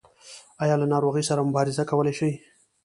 ایا له ناروغۍ سره مبارزه کولی شئ؟